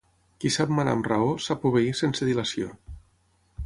Qui sap manar amb raó, sap obeir sense dilació.